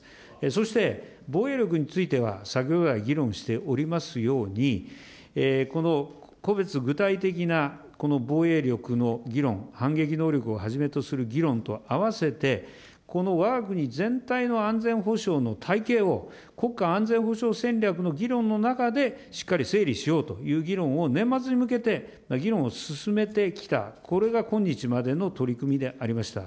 そして、防衛力については先ほど来、議論しておりますように、この個別具体的な防衛力の議論、反撃能力をはじめとする議論とあわせて、このわが国全体の安全保障のたいけいを、国家安全保障戦略の議論の中でしっかり整理しようという議論を年末に向けて議論を進めてきた、これが今日までの取り組みでありました。